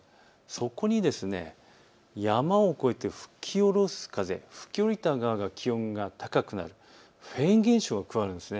そこに山を越えて吹き降ろす風、吹き降りた側が気温が高くなる、フェーン現象が加わるんです。